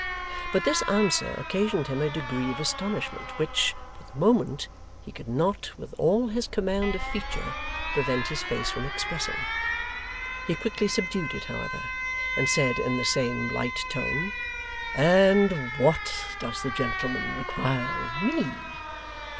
But this answer occasioned him a degree of astonishment, which, for the moment, he could not, with all his command of feature, prevent his face from expressing. He quickly subdued it, however, and said in the same light tone: 'And what does the gentleman require of me?